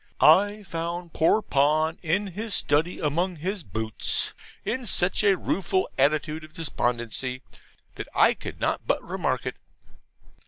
I found poor Pon in his study among his boots, in such a rueful attitude of despondency, that I could not but remark it.